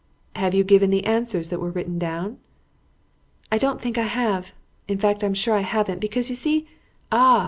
"Have you given the answers that were written down?" "I don't think I have in fact, I am sure I haven't, because, you see " "Ah!